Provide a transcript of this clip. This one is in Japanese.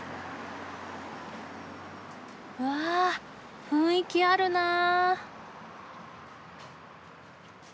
わあ雰囲気あるなあ。